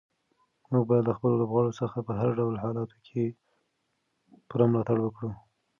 موږ باید له خپلو لوبغاړو څخه په هر ډول حالاتو کې پوره ملاتړ وکړو.